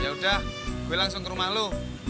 yaudah gue langsung ke rumah lo